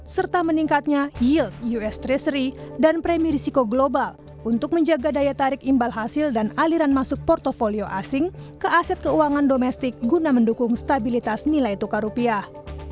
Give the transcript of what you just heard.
serta meningkatnya yield us treasury dan premi risiko global untuk menjaga daya tarik imbal hasil dan aliran masuk portfolio asing ke aset keuangan domestik guna mendukung stabilitas nilai tukar rupiah